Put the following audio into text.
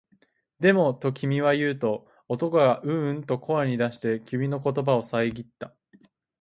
でも、と君は言うと、男がううんと声に出して、君の言葉をさえぎった